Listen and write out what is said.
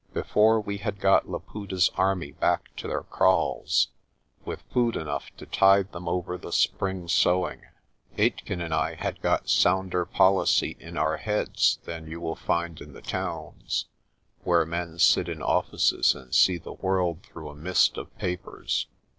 Before we had got Laputa's army back to their kraals, with food enough to tide them over the spring sowing, Aitken and I had got sounder policy in our heads than you will find in the towns, where men sit in offices and see the world through a mist of papers.